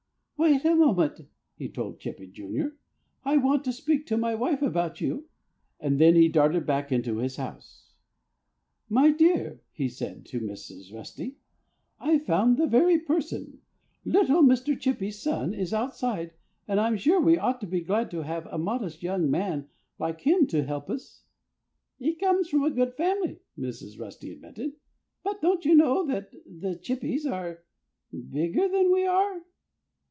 "Wait just a moment!" he told Chippy, Jr. "I want to speak to my wife about you." And then he darted back into his house. "My dear," he said to Mrs. Rusty, "I've found the very person! Little Mr. Chippy's son is outside and I'm sure we ought to be glad to have a modest young man like him to help us." "He comes from a good family," Mrs. Rusty admitted. "But don't you know that the Chippys are bigger than we are?